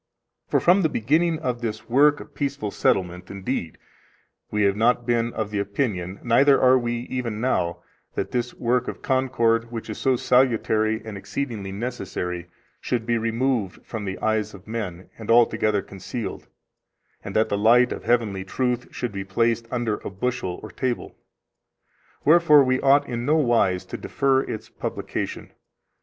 For from the beginning of this work of peaceful settlement, indeed, we have not been of the opinion, neither are we even now, that this work of concord, which is so salutary and exceedingly necessary, should be removed from the eyes of men, and altogether concealed, and that the light of heavenly truth should be placed under a bushel or table; wherefore we ought in no wise to defer its publication.